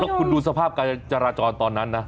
คุณดูสภาพการจราจรตอนนั้นนะ